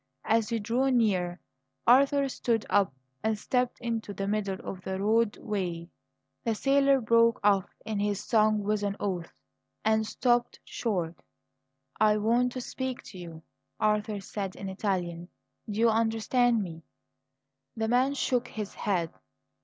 As he drew near, Arthur stood up and stepped into the middle of the roadway. The sailor broke off in his song with an oath, and stopped short. "I want to speak to you," Arthur said in Italian. "Do you understand me?" The man shook his head.